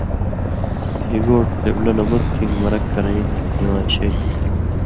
ہیگوٹ قبلہ نہ مُت کھِن٘گ مرک کرَیں ہِن نِوان٘ز شریۡ تھُو۔